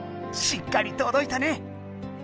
しっかりとどいたね！